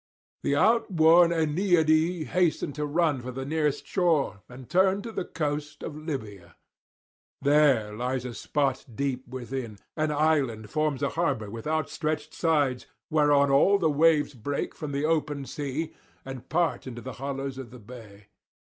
The outworn Aeneadae hasten to run for the nearest shore, and turn to the coast of Libya. There lies a spot deep withdrawn; an island forms a harbour with outstretched sides, whereon all the waves break from the open sea and part into the hollows of the bay.